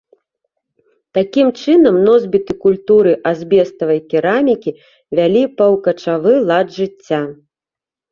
Такім чынам, носьбіты культуры азбеставай керамікі вялі паўкачавы лад жыцця.